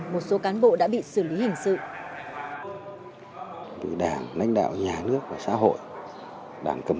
một số cán bộ đã bị xử lý hình sự